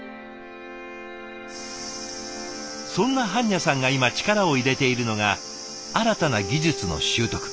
そんな盤若さんが今力を入れているのが新たな技術の習得。